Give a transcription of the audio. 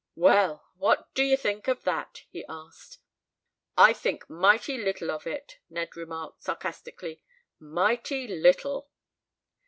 "Well, what do you think of that?" he asked. "I think mighty little of it," Ned remarked, sarcastically. "Mighty little."